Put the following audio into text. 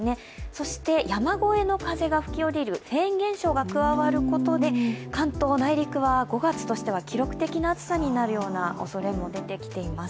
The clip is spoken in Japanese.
そして、山越えの風が吹きおりるフェーン現象が加わることで関東内陸は５月としては記録的な暑さとなるような恐れも出てきています。